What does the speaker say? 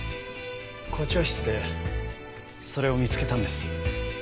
校長室でそれを見つけたんです。